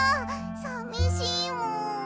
さみしいもん。